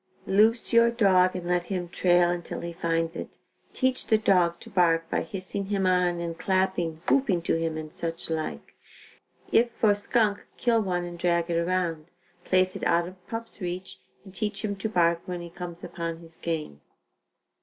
Loose your dog and let him trail until he finds it. Teach the dog to bark by hissing him on and clapping, whooping to him and such like. If for skunk, kill one and drag it around, place it out of pup's reach, and teach him to bark when he comes upon his game.